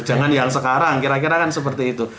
jangan yang sekarang kira kira kan seperti itu